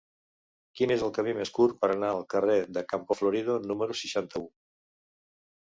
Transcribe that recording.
Quin és el camí més curt per anar al carrer de Campo Florido número seixanta-u?